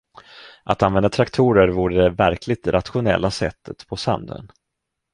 Att använda traktorer vore det verkligt rationella sättet på Sandön.